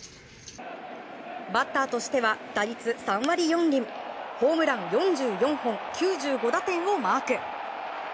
バッターとしては打率３割４厘ホームラン４４本９５打点をマーク。